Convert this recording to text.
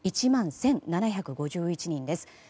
１万１７５１人です。